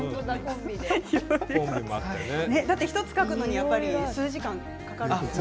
１つ描くのに数時間かかるんですよね。